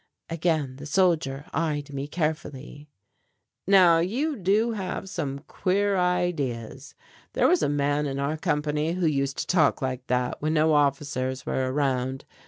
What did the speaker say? Again the soldier eyed me carefully. "Now you do have some queer ideas. There was a man in our company who used to talk like that when no officers were around.